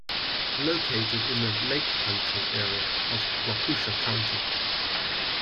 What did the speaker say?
Located in the "Lake Country" area of Waukesha County.